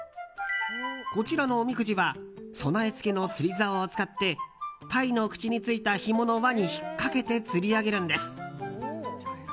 こちらのおみくじは備え付けの釣りざおを使って鯛の口についたひもの輪に引っかけて釣り上げるんです。